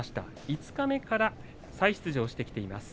五日目から再出場しています。